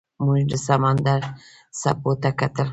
موږ د سمندر څپو ته کتل.